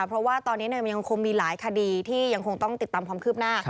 เพราะว่าตอนนี้มันยังคงมีหลายคดีที่ยังคงต้องติดตามความคืบหน้า